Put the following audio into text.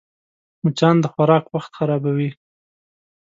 مچان د خوراک وخت خرابوي